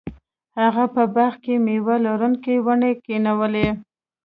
هغه په باغ کې میوه لرونکې ونې کینولې.